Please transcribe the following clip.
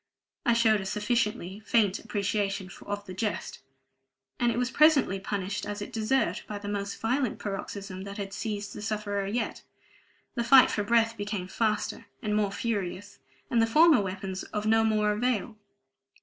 I showed a sufficiently faint appreciation of the jest. And it was presently punished as it deserved, by the most violent paroxysm that had seized the sufferer yet: the fight for breath became faster and more furious, and the former weapons of no more avail.